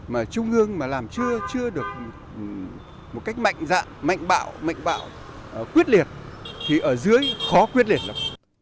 mà trung ương mà làm chưa được một cách mạnh dạng mạnh bạo mạnh bạo quyết liệt thì ở dưới khó quyết liệt lắm